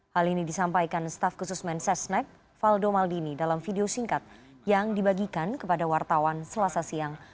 hal ini disampaikan staf khusus mensesnek faldo maldini dalam video singkat yang dibagikan kepada wartawan selasa siang